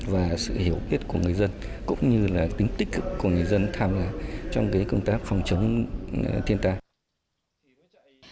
và sự hiểu biết của người dân cũng như là tính tích cực của người dân tham gia trong công tác phòng chống thiên tai